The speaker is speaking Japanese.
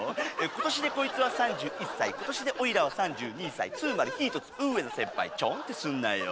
今年でこいつは３１歳今年でおいらは３２歳つまり１つ上の先輩チョンってすんなよ